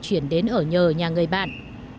chuyển đến ở nhờ nhà người bạn